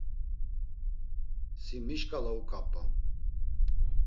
Si mi şkala uǩap̌am?